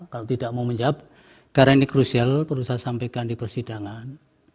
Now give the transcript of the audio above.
kalau tidak mau menjawab karena ini krusial perlu saya sampaikan di persidangan